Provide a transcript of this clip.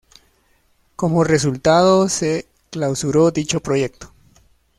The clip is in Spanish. Como resultado se clausuró dicho proyecto.